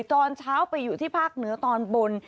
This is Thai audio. ตอนเช้าไปอยู่ที่ภาคเหนือตอนบน